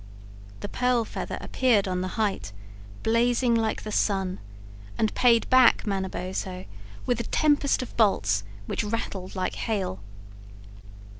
The Pearl Feather appeared on the height, blazing like the sun, and paid back Manabozho with a tempest of bolts which rattled like hail.